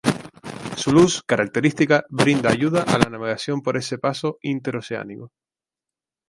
Su luz característica brinda ayuda a la navegación por ese paso interoceánico.